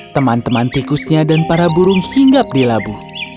teman teman tikusnya dan para burung singgap di labu